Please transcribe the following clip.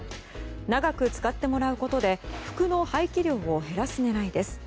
長く使ってもらうことで服の廃棄量を減らす狙いです。